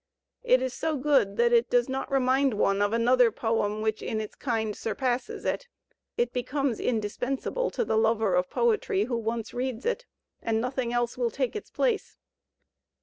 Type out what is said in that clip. It is so good that it does not remind one of another poem which in its kind surpasses it. It becomes indispensable to the lover of poetry who once reads it, and nothing else will take its place.